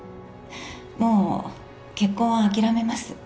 もう結婚は諦めます